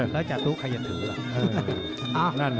แล้วจากตู้ใครอย่าถือล่ะ